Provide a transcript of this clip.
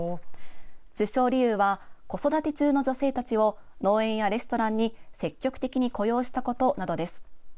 受賞理由は子育て中の女性たちを農園やレストランに積極的に雇用したことなどです。